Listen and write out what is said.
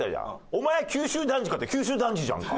「お前は九州男児か！」って九州男児じゃんか。